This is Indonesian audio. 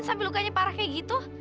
sampai lukanya parah kayak gitu